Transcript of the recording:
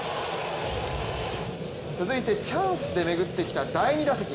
続いてチャンスで巡ってきた第２打席。